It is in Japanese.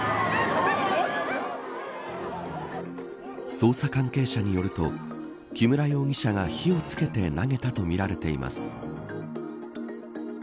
捜査関係者によると木村容疑者が火をつけて投げたとみられています。